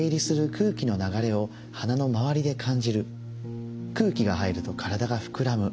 具体的には空気が入ると体が膨らむ。